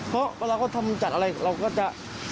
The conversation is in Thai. เพราะเวลาเขาทำจัดอะไรเราก็จะ